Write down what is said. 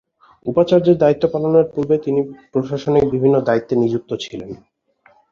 উপাচার্যের দায়িত্ব পালনের পূর্বে তিনি প্রশাসনিক বিভিন্ন দায়িত্বে নিযুক্ত ছিলেন।